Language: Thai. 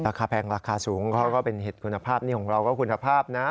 แพงราคาสูงเขาก็เป็นเห็ดคุณภาพนี่ของเราก็คุณภาพนะ